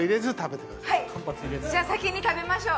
じゃあ先に食べましょう。